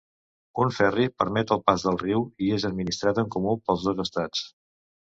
Un ferri permet el pas del riu i és administrat en comú pels dos estats.